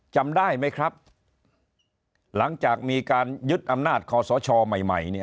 จำได้ไหมครับหลังจากมีการยึดอำนาจขอสชใหม่